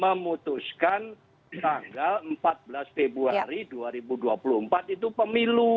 memutuskan tanggal empat belas februari dua ribu dua puluh empat itu pemilu